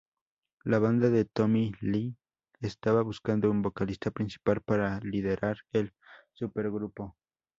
La banda de Tommy Lee estaba buscando un vocalista principal para liderar el Supergrupo.